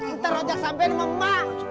ntar rojak sampe nih sama ma